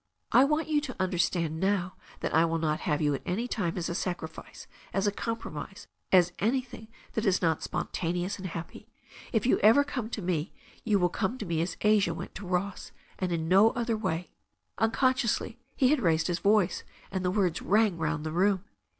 I want you to understand now that I will not have you at any time as a sacrifice, as a compromise, as anything that is not spontaneous and happy. If you ever come to me you will come to me as Asia went to Ross, and in no other way.'* Unconsciously he had raised his voice, and his words rang round the room.